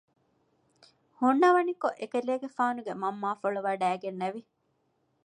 ހުންނަވަނިކޮށް އެކަލޭގެފާނުގެ މަންމާފުޅު ވަޑައިގެންނެވި